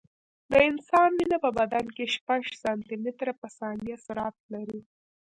د انسان وینه په بدن کې شپږ سانتي متره په ثانیه سرعت لري.